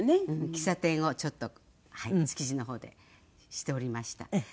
喫茶店をちょっと築地の方でしておりましたはい。